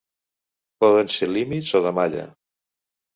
Poden ser límits o de malla.